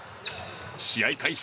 試合開始